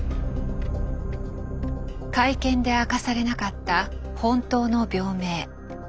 会見で明かされなかった本当の病名。